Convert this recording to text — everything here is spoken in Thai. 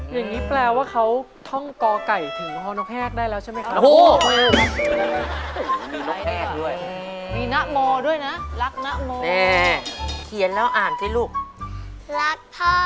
อย่างนี้แปลว่าเขาท่องกอไก่ถึงฮนกแฮกได้แล้วใช่ไหมครับ